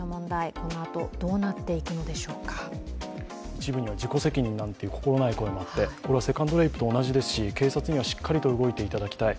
一部には自己責任なんていう心ない声もあって、これはセカンドレイプと同じですし警察にはしっかりと動いていただきたい。